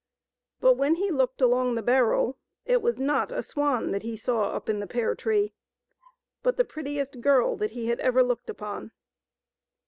But when he looked along the barrel it was not a swan that he saw up in the pear tree, but the prettiest girl that he had ever looked upon.